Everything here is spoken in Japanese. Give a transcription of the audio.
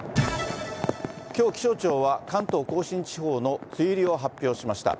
きょう、気象庁は関東甲信地方の梅雨入りを発表しました。